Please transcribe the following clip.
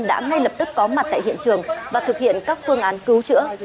đã ngay lập tức có mặt tại hiện trường và thực hiện các phương án cứu chữa